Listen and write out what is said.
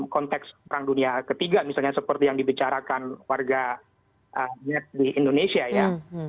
konteks perang dunia ketiga misalnya seperti yang dibicarakan warga net di indonesia ya